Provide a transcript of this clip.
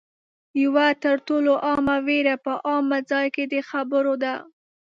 یوه تر ټولو عامه وېره په عامه ځای کې د خبرو ده